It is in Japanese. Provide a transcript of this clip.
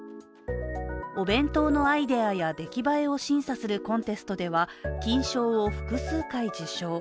お弁当のアイデアやできばえを審査するコンテストでは、金賞を複数回受賞。